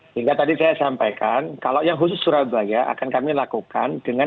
hingga tadi saya sampaikan kalau yang khusus surabaya akan kami lakukan dengan